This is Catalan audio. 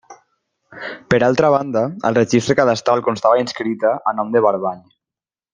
Per altra banda, al registre cadastral constava inscrita a nom de Barbany.